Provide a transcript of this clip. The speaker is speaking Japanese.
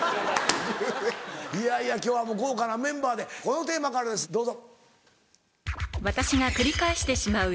いやいや今日は豪華なメンバーでこのテーマからですどうぞ。